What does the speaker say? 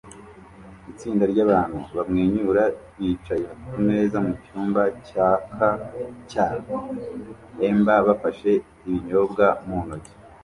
Itsinda ryabantu bamwenyura bicaye kumeza mucyumba cyaka cya amber bafashe ibinyobwa mu ntoki